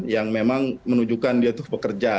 yang memang menunjukkan dia itu pekerja